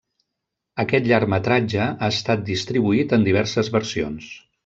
Aquest llargmetratge ha estat distribuït en diverses versions.